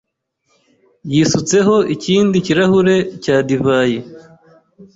yisutseho ikindi kirahure cya divayi.